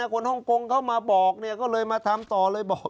คนห้องกงเขามาบอกก็เลยมาทำต่อเลย